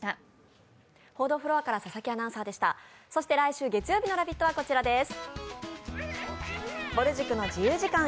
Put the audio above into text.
来週月曜日の「ラヴィット！」はこちらです。